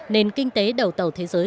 nền kinh tế đầu tàu thế giới